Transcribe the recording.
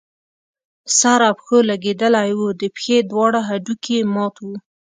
په سر او پښو لګېدلی وو، د پښې دواړه هډوکي يې مات وو